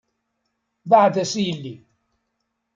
Beɛɛed-as i yelli!